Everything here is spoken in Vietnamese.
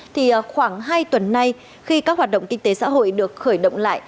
thì khoảng hai tuần nay khi các hoạt động kinh tế xã hội được khởi động lại